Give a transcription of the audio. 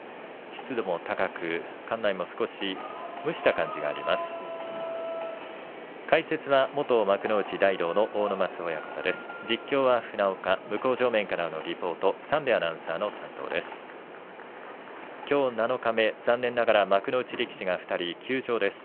湿度も高く、館内も少し蒸した感じがあります。